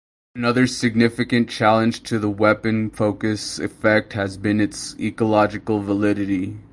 Another significant challenge to the weapon focus effect has been its ecological validity.